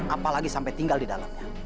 apalagi sampai tinggal di dalamnya